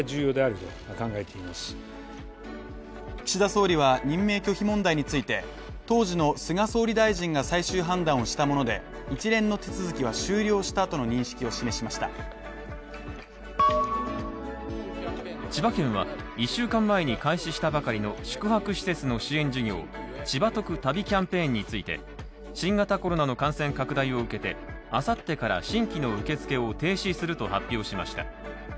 岸田総理は任命拒否問題について、当時の菅総理大臣が最終判断をしたもので、一連の手続きは終了したとの認識を示しました千葉県は１週間前に開始したばかりの宿泊施設の支援事業、千葉とく旅キャンペーンについて、新型コロナの感染拡大を受けて、明後日から新規の受付を停止すると発表しました。